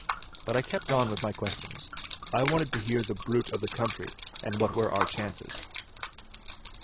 But I kept on with my questions. I wanted to hear the bruit of the country, and what were our chances.